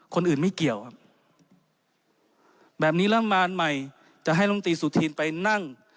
คนอื่นไม่เกี่ยวครับแบบนี้รัฐบาลใหม่จะให้ลมตีสุธีนไปนั่ง